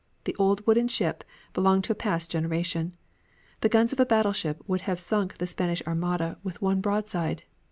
The old wooden ship belonged to a past generation. The guns of a battleship would have sunk the Spanish Armada with one broadside.